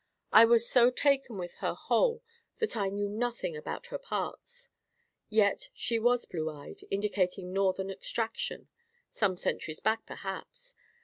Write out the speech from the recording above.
I was so taken with her whole that I knew nothing about her parts. Yet she was blue eyed, indicating northern extraction—some centuries back perhaps.